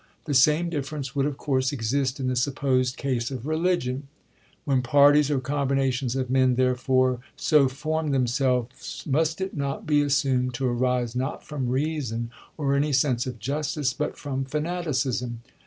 The same difference would, of course, exist in the supposed case of religion. When parties, or combinations of men, there fore, so form themselves, must it not be assumed to arise not from reason or any sense of justice, but from fanati cism